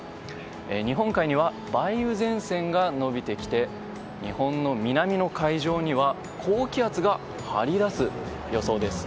日本海には梅雨前線が延びてきて日本の南の海上には高気圧が張り出す予想です。